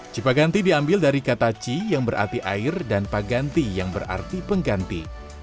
cipaganti diambil dari kata ci yang berarti air dan paganti yang berarti pengganti